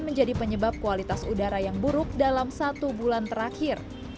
menjadi penyebab kualitas udara yang buruk dalam satu bulan terakhir